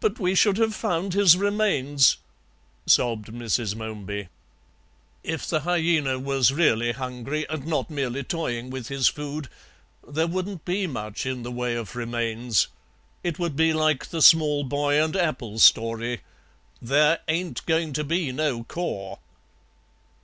"But we should have found his remains," sobbed Mrs. Momeby. "If the hyaena was really hungry and not merely toying with his food there wouldn't be much in the way of remains. It would be like the small boy and apple story there ain't going to be no core."